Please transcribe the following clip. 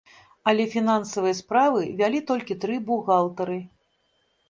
Але фінансавыя справы вялі толькі тры бухгалтары.